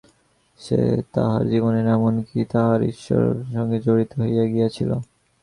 সে তাঁহার জীবনের, এমন-কি, তাঁহার ঈশ্বরোপাসনার সঙ্গে জড়িত হইয়া গিয়াছিল।